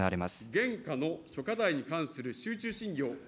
現下の諸課題に関する集中審議を。